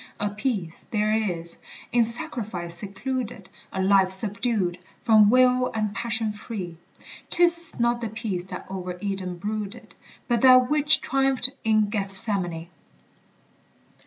A peace there is, in sacrifice secluded, A life subdued, from will and passion free; 'Tis not the peace that over Eden brooded, But that which triumphed in Gethsemane.